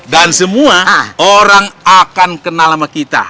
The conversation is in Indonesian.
dan semua orang akan kenal sama kita